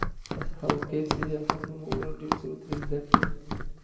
د اصحاب کهف سریال حتماً وګوره، ډېر څه به ترې زده کړې.